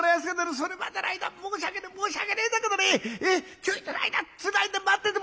それまでの間申し訳ねえ申し訳ねえんだけどねちょいとの間つないで待ってて！」。